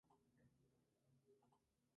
Frente a ella hay un gran espejo de agua.